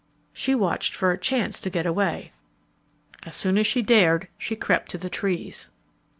She watched for a chance to get away. As soon as she dared she crept to the trees.